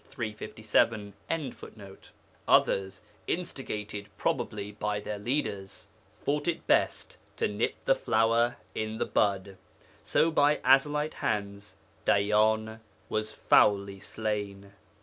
] Others, instigated probably by their leaders, thought it best to nip the flower in the bud. So by Ezelite hands Dayyan was foully slain.